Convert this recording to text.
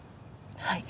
はい。